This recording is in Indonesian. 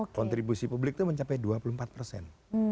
kontribusi publik itu mencapai dua puluh empat persen